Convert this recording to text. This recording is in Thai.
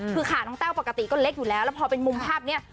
คือขาน้องแต้วปกติก็เล็กอยู่แล้วแล้วพอเป็นมุมภาพนี้